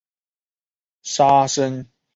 砂生槐为豆科槐属下的一个种。